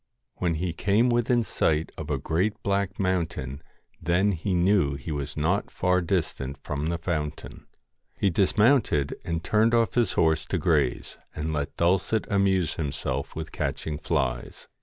When he came within sight of a great black mountain then he knew he was not far distant from the fountain. He dismounted and turned off his horse to graze, and let Dulcet amuse himself with catching flies.